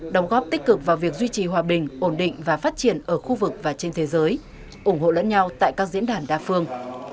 đồng góp tích cực vào việc duy trì hòa bình ổn định và phát triển ở khu vực và trên thế giới ủng hộ lẫn nhau tại các diễn đàn đa phương